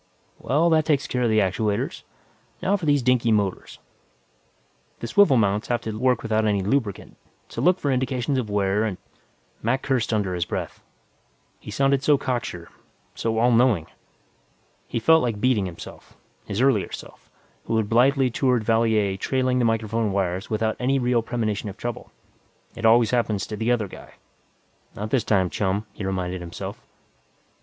"Well, that takes care of the actuators. Now for these dinky motors. The swivel mounts have to work without any lubricant, so look for indications of wear and " Mac cursed under his breath. He sounded so cocksure, so all knowing. He felt like beating himself. His earlier self, who had blithely toured Valier trailing the microphone wires without any real premonition of trouble. It always happens to the other guy Not this time, chum, he reminded himself.